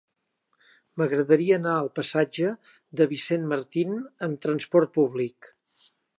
M'agradaria anar al passatge de Vicent Martín amb trasport públic.